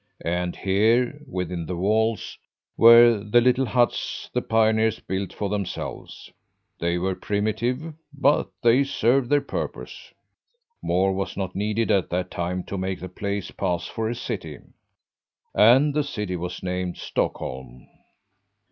And here, within the walls, were the little huts the pioneers built for themselves. They were primitive, but they served their purpose. More was not needed at that time to make the place pass for a city. And the city was named Stockholm.